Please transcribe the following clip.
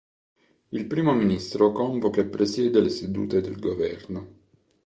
Il Primo ministro convoca e presiede le sedute del Governo.